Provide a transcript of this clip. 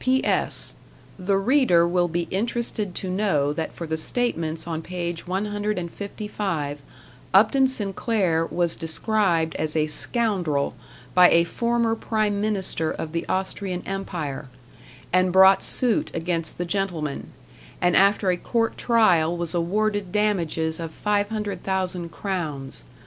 P. S. The reader will be interested to know that for the statements on page 155, Upton Sinclair was described as a "scoundrel" by a former prime minister of the Austrian Empire, and brought suit against the gentleman, and after a court trial was awarded damages of 500,000 crowns about $7 in American money.